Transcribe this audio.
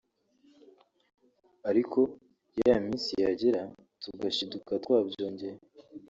ariko ya minsi yagera tugashiduka twabyongeye